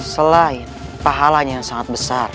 selain pahalanya sangat besar